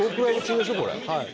「はい」